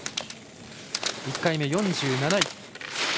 １回目、４７位。